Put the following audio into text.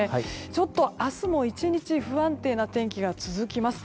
ちょっと明日も１日不安定な天気が続きます。